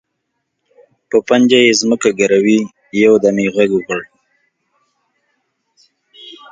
په پنجه یې ځمکه ګروي، یو دم یې غږ وکړ.